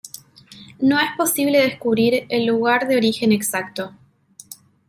No es posible descubrir el lugar de origen exacto.